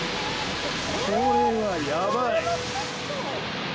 これはやばい。